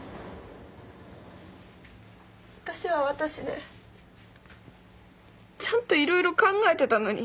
私は私でちゃんと色々考えてたのに。